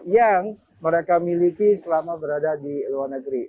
yang mereka miliki selama berada di luar negeri